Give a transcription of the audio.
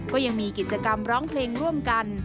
ก็ยังมีกิจกรรมร้องเพลงร่วมกัน